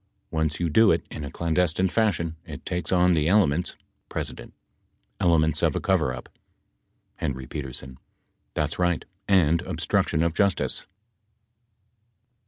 Once you do it in a clandestine fashion, it takes on the elements — P. Elements of a coverup. HP. That's right, and obstruction of justice.